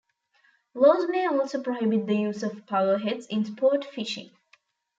Laws may also prohibit the use of powerheads in sport fishing.